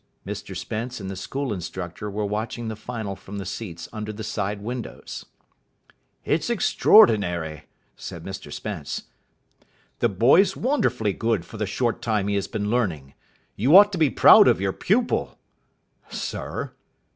Mr Spence and the school instructor were watching the final from the seats under the side windows. "It's extraordinary," said Mr Spence. "The boy's wonderfully good for the short time he has been learning. You ought to be proud of your pupil." "Sir?"